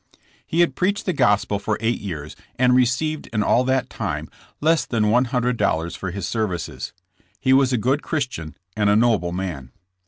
He had preached the gospel for eight years and received in all that time less than $100 for his ser vices. He was a good Christian and a" noble man.